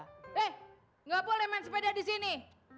hei enggak boleh main sepeda di sini